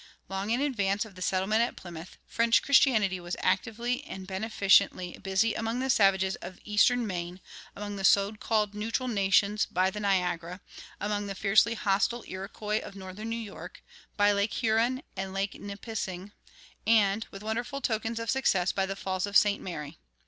Long in advance of the settlement at Plymouth, French Christianity was actively and beneficently busy among the savages of eastern Maine, among the so called "neutral nations" by the Niagara, among the fiercely hostile Iroquois of northern New York, by Lake Huron and Lake Nipissing, and, with wonderful tokens of success, by the Falls of St. Mary.